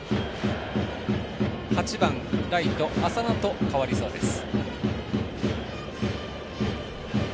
８番、ライト浅野と代わりそうです。